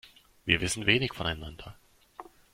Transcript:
Wir wissen wenig voneinander.